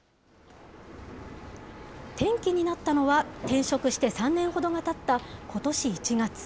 転機になったのは転職して３年ほどがたった、ことし１月。